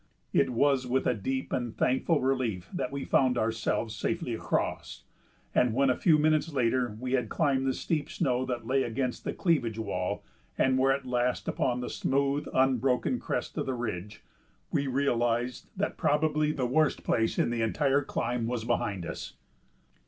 It was with a deep and thankful relief that we found ourselves safely across, and when a few minutes later we had climbed the steep snow that lay against the cleavage wall and were at last upon the smooth, unbroken crest of the ridge, we realized that probably the worst place in the entire climb was behind us.